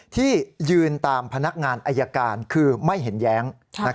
ที่ยืนตามพนักงานอายการคือไม่เห็นแย้ง